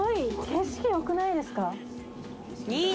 景色よくないですか？